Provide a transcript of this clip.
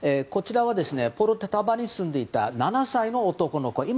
こちらはポルタバに住んでいた７歳の男の子。